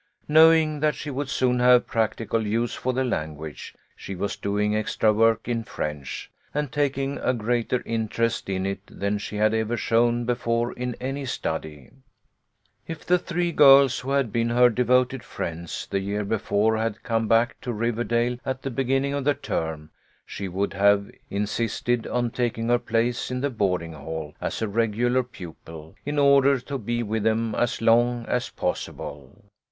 Knowing that she would soon have practical use for the language, she was doing extra work in French, and taking a greater interest in it than she had ever shown before in any study. If the three girls who had been her devoted friends the year before had come back to Riverdale at the beginning of the term, she would have in sisted on taking her place in the boarding hall as a regular pupil, in order to be with them as long as possible.